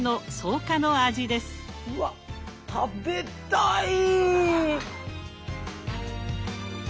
うわっ食べたい！